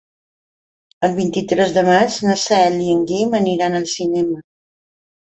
El vint-i-tres de maig na Cel i en Guim aniran al cinema.